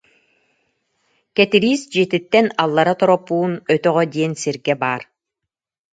Кэтириис дьиэтиттэн аллара Торопуун өтөҕө диэн сиргэ баар